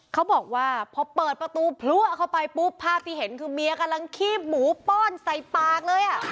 เขาบอกว่าพอเปิดประตูพลัวเข้าไปปุ๊บภาพที่เห็นคือเมียกำลังคีบหมูป้อนใส่ปากเลย